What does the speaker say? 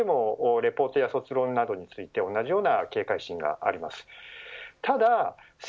大学でもレポートや卒論などについて同じような警戒心があります。